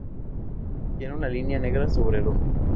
Tiene una línea negra sobre el ojo.